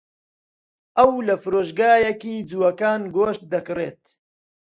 ئەو لە فرۆشگەیەکی جووەکان گۆشت دەکڕێت.